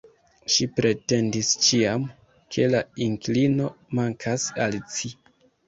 Ŝi pretendis ĉiam, ke la inklino mankas al ci.